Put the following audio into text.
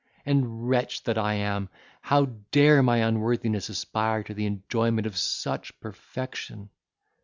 and, wretch that I am, how dare my unworthiness aspire to the enjoyment of such perfection!"